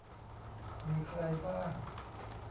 มีใครบ้าง